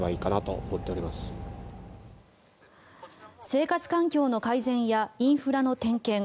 生活環境の改善やインフラの点検